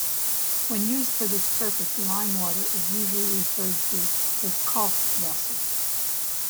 When used for this purpose, limewater is usually referred to as "Kalkwasser".